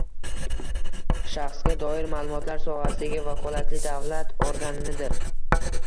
shaxsga doir ma’lumotlar sohasidagi vakolatli davlat organidir